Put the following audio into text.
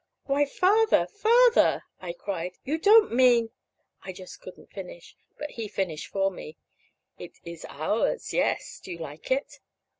"Why, Father, Father!" I cried. "You don't mean" I just couldn't finish; but he finished for me. "It is ours yes. Do you like it?"